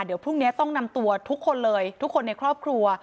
เดี๋ยวพรุ่งนี้ต้องนำตัวทุกคนเลยทุกคนในครอบครัว